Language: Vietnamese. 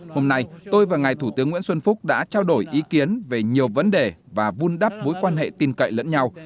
hôm nay tôi và ngài thủ tướng nguyễn xuân phúc đã trao đổi ý kiến về nhiều vấn đề và vun đắp mối quan hệ tin cậy lẫn nhau